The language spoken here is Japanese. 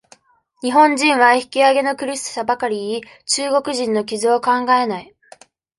日本人は、引き揚げの苦しさばかり言い、中国人の傷を考えない。